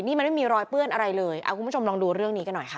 นี่มันไม่มีรอยเปื้อนอะไรเลยคุณผู้ชมลองดูเรื่องนี้กันหน่อยค่ะ